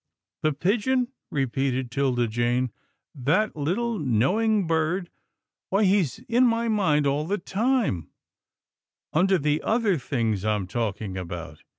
" The pigeon," repeated 'Tilda Jane, " that little knowing bird. Why he's in my mind all the time under the other things I'm talking about.